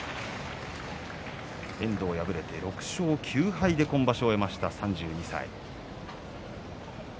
遠藤は敗れて６勝９敗で今場所を終えました、３２歳。